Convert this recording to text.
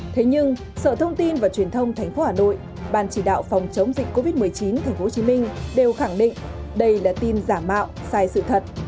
thế nhưng sở thông tin và truyền thông tp hà nội ban chỉ đạo phòng chống dịch covid một mươi chín tp hcm đều khẳng định đây là tin giả mạo sai sự thật